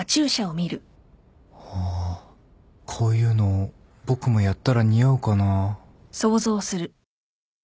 あーこういうの僕もやったら似合うかな